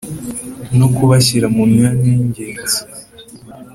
no kubashyira mu myanya y ingenzi